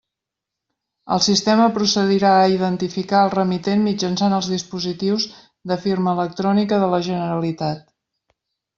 El sistema procedirà a identificar el remitent mitjançant els dispositius de firma electrònica de la Generalitat.